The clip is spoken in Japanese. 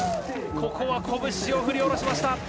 ここはこぶしを振り下ろしました。